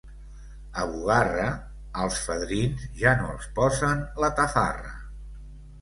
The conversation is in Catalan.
A Bugarra, als fadrins ja no els posen la tafarra.